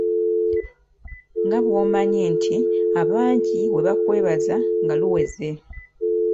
Nga bw'omanyi nti abangi we baakwebaza nga luweze.